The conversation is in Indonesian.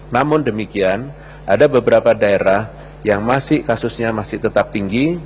namun demikian ada beberapa daerah yang masih kasusnya masih tetap tinggi